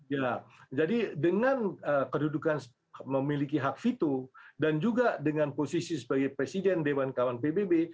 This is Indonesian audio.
ya jadi dengan kedudukan memiliki hak fitur dan juga dengan posisi sebagai presiden dewan kawan pbb